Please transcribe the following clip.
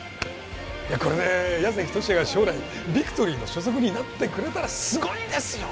これで矢崎十志也が将来ビクトリーの所属になってくれたらすごいですよ